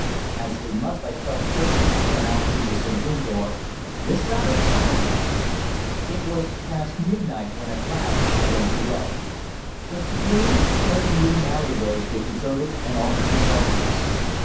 As they must, I felt certain, have come out through the saloon door, this rather puzzled me. It was past midnight when, at last, I went below. The saloon, smoking room and alleyways were deserted and almost in darkness.